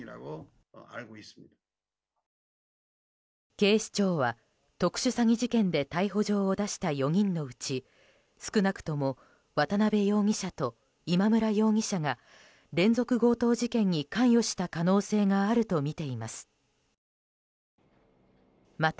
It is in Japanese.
警視庁は、特殊詐欺事件で逮捕状を出した４人のうち少なくとも渡邉容疑者と今村容疑者が連続強盗事件に関与した可能性があるとみています。